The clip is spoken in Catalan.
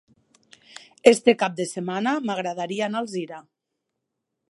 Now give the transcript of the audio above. Aquest cap de setmana m'agradaria anar a Alzira.